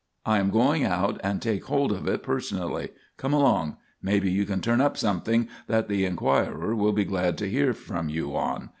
I am going out and take hold of it personally. Come along. Maybe you can turn up something that the Enquirer will be glad to hear from you on.